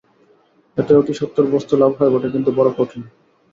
এতে অতি সত্বর বস্তুলাভ হয় বটে, কিন্তু বড় কঠিন।